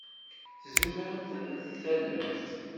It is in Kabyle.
Tzemremt ad d-tallemt?